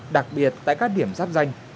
đặc biệt tại các điểm giáp danh